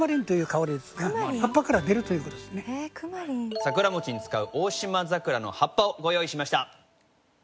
桜餅に使うオオシマザクラの葉っぱをご用意しました。